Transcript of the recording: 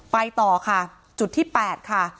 ไปต่อค่ะจุดที่๘ค่ะ